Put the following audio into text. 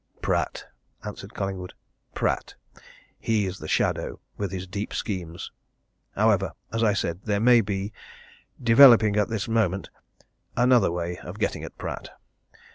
"Pratt!" answered Collingwood. "Pratt! He's the shadow with his deep schemes. However, as I said there may be developing at this moment another way of getting at Pratt.